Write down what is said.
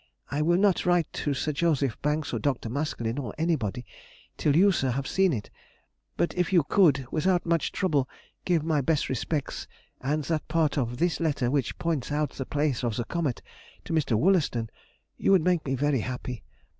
I will not write to Sir J. Banks or Dr. Maskelyne, or anybody, till you, sir, have seen it; but if you could, without much trouble, give my best respects and that part of this letter which points out the place of the comet to Mr. Wollaston, you would make me very happy.